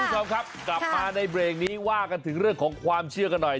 คุณผู้ชมครับกลับมาในเบรกนี้ว่ากันถึงเรื่องของความเชื่อกันหน่อย